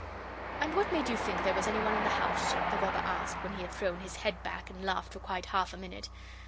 'And what made you think there was any one in the house?' the robber asked, when he had thrown his head back, and laughed for quite half a minute.